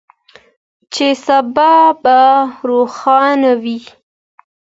چې سبا به روښانه وي.